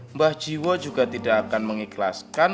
mbah jiwa juga tidak akan mengikhlaskan